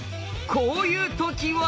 こういう時は。